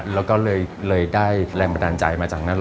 เราก็เลยได้แรงบันดันใจมาจากนั้น